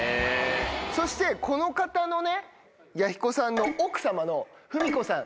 そしてこの方のね彌彦さんの奥様の文子さん。